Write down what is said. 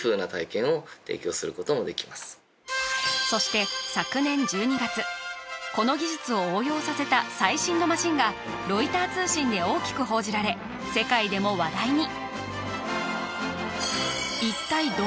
そして昨年１２月この技術を応用させた最新のマシンがロイター通信で大きく報じられ世界でも話題に！